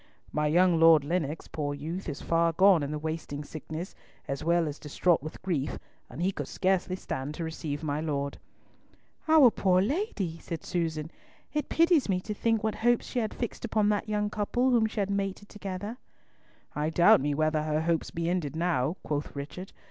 "My young Lord Lennox, poor youth, is far gone in the wasting sickness, as well as distraught with grief, and he could scarcely stand to receive my Lord." "Our poor lady!" said Susan, "it pities me to think what hopes she had fixed upon that young couple whom she had mated together." "I doubt me whether her hopes be ended now," quoth Richard.